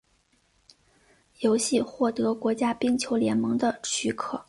游戏获得国家冰球联盟的许可。